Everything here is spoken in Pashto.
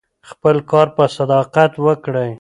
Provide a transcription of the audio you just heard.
خپل کار په صداقت وکړئ.